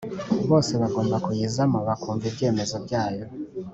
bose bagomba kuyizamo bakumva Ibyemezo byayo